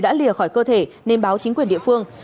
đã lìa khỏi cơ thể nên báo chính quyền địa phương